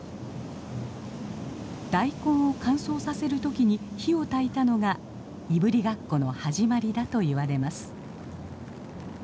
大根を乾燥させる時に火をたいたのがいぶりがっこの始まりだといわれます。